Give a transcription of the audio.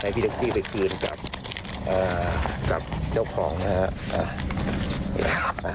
พี่แท็กซี่ไปคืนกับเจ้าของนะครับ